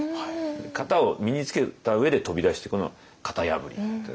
型を身につけた上で飛び出してくのが型破りという。